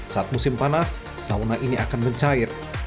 saat musim panas sauna ini akan mencair